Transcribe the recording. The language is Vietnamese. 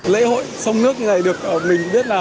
lễ hội sông nước này được mình biết là